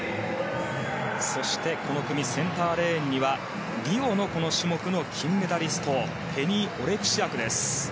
そして、この組センターレーンにはリオのこの種目の金メダリストペニー・オレクシアクです。